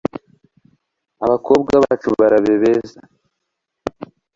Abakobwa bacu barabe beza